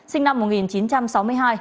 sinh năm một nghìn chín trăm sáu mươi hai